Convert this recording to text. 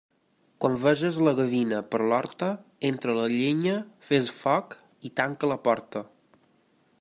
Quan veges la gavina per l'horta, entra la llenya, fes foc i tanca la porta.